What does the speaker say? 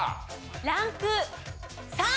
ランク３。